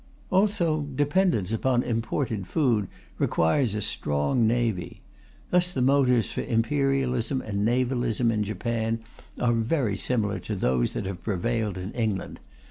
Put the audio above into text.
Also dependence upon imported food requires a strong navy. Thus the motives for imperialism and navalism in Japan are very similar to those that have prevailed in England.